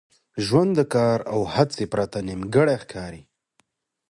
ژوند د کار او هڅي پرته نیمګړی ښکاري.